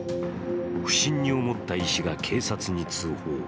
不審に思った医師が警察に通報。